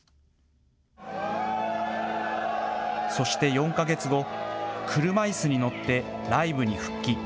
そして４か月後、車いすに乗ってライブに復帰。